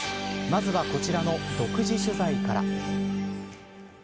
まずは、こちらの独自取材から。